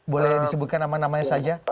boleh disebutkan nama namanya saja